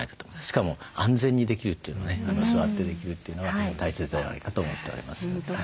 しかも安全にできるというのね座ってできるというのは大切ではないかと思っております。